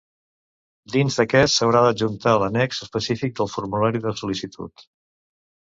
Dins d'aquest s'haurà d'adjuntar l'annex específic del formulari de sol·licitud.